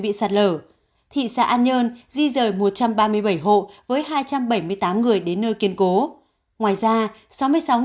bị sạt lở thị xã an nhơn di rời một trăm ba mươi bảy hộ với hai trăm bảy mươi tám người đến nơi kiên cố ngoài ra